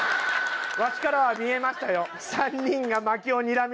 わしからは見えましたよ。